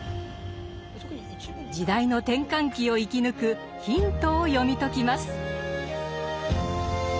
時代の転換期を生き抜くヒントを読み解きます。